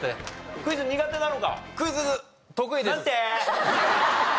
クイズ苦手なのか？なんて？